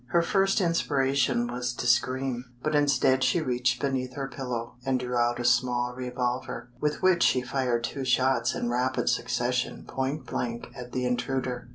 Her first inspiration was to scream; but instead she reached beneath her pillow and drew out a small revolver, with which she fired two shots in rapid succession point blank at the intruder.